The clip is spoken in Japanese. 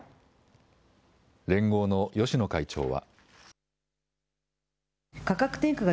連合の芳野会長は。